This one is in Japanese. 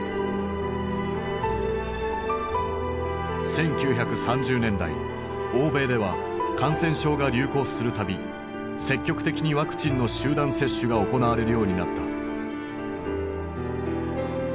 １９３０年代欧米では感染症が流行する度積極的にワクチンの集団接種が行われるようになった。